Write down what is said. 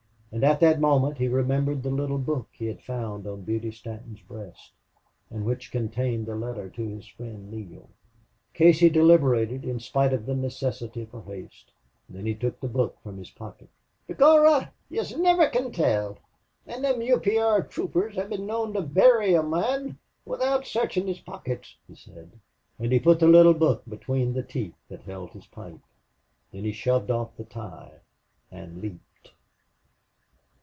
And at that moment he remembered the little book he had found on Beauty Stanton's breast, and which contained the letter to his friend Neale. Casey deliberated in spite of the necessity for haste. Then he took the book from his pocket. "B'gorra, yez niver can tell, an' thim U. P. R. throopers hev been known to bury a mon widout searchin' his pockets," he said. And he put the little book between the teeth that held his pipe. Then he shoved off the tie and leaped.